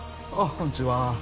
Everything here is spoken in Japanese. こんにちは